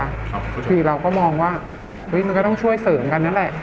คือเราก็มองว่ามันก็ต้องช่วยเสริมกันนั่นแหละ